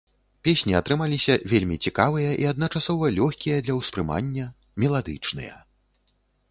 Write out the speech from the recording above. Песні атрымаліся вельмі цікавыя і адначасова лёгкія для ўспрымання, меладычныя.